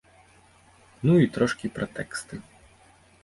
Ну, і трошкі пра тэксты.